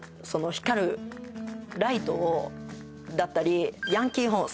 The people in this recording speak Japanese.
光るライトだったりヤンキーホーン